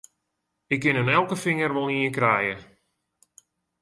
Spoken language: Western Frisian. Ik kin oan elke finger wol ien krije!